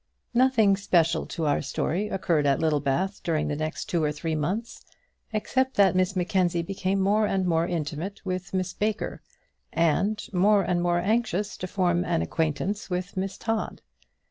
Nothing special to our story occurred at Littlebath during the next two or three months, except that Miss Mackenzie became more and more intimate with Miss Baker, and more and more anxious to form an acquaintance with Miss Todd.